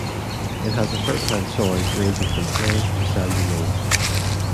It has a fertile soil ranging from clay to sandy loam.